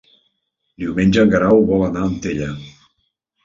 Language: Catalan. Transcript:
Diumenge en Guerau vol anar a Antella.